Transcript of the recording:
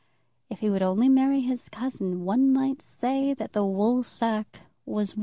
If he would only marry his cousin one might say that the woolsack was won.